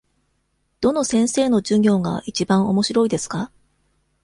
どの先生の授業がいちばんおもしろいですか。